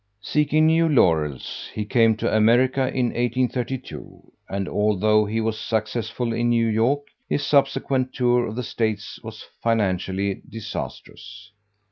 Seeking new laurels, he came to America in 1832, and although he was successful in New York, his subsequent tour of the States was financially disastrous.